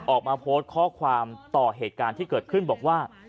ออกมาโพสต์ข้อความต่อเหตุการณ์ที่เกิดขึ้นบอกว่า